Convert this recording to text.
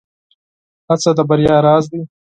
هڅه د بريا راز دی.